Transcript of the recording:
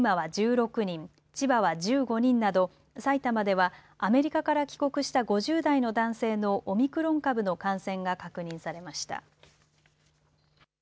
埼玉では、アメリカから帰国した５０代の男性のオミクロン株の感染が確認されました。